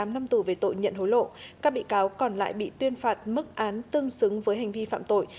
một mươi tám năm tù về tội nhận hồi lộ các bị cáo còn lại bị tuyên phạt mức án tương xứng với hành vi phạm tội